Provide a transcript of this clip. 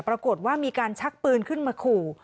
ปรากฏที่มีการชักปืนเพื่อมาขู่